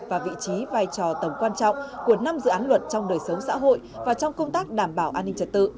và vị trí vai trò tầm quan trọng của năm dự án luật trong đời sống xã hội và trong công tác đảm bảo an ninh trật tự